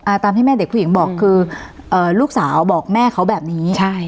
ตามที่แม่เด็กผู้หญิงบอกคือเอ่อลูกสาวบอกแม่เขาแบบนี้ใช่